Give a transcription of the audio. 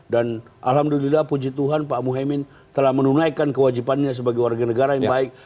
dan alhamdulillah puji tuhan pak muhyemin telah menunaikan kewajipannya sebagai warga negara yang baik